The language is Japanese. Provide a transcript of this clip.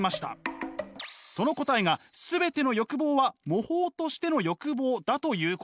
その答えが全ての欲望は模倣としての欲望だということ。